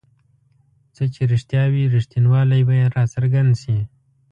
څه چې رښتیا وي رښتینوالی به یې راڅرګند شي.